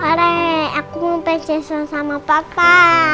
ore aku mau pecesan sama papa